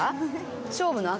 勝負の赤？